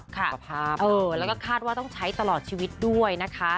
สภาพสภาพสภาพสภาพสภาพสภาพเออแล้วก็คาดว่าต้องใช้ตลอดชีวิตด้วยนะคะ